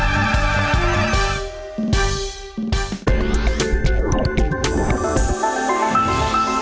โปรดติดตามตอนต่อไป